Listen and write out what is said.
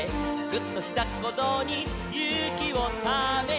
「ぐっ！とひざっこぞうにゆうきをため」